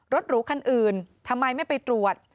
หรูคันอื่นทำไมไม่ไปตรวจ